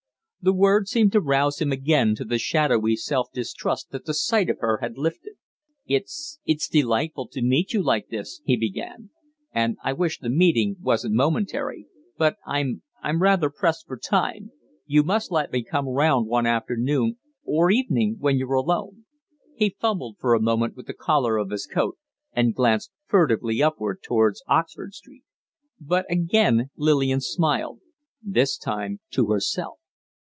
The words seemed to rouse him again to the shadowy self distrust that the sight of her had lifted. "It's it's delightful to meet you like this," he began, "and I wish the meeting wasn't momentary. But I'm I'm rather pressed for time. You must let me come round one afternoon or evening, when you're alone." He fumbled for a moment with the collar of his coat, and glanced furtively upward towards Oxford Street. But again Lillian smiled this time to herself.